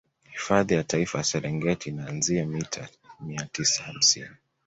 Hifadhi ya Taifa ya Serengeti inaanzia mita mia tisa hamsini